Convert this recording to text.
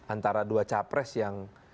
antara dua capres yang